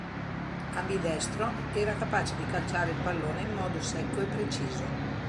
Ambidestro, era capace di calciare il pallone in modo secco e preciso.